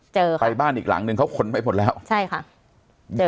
ไปบ้านอีกหลังนึงเขาขนไปหมดแล้วใช่ค่ะ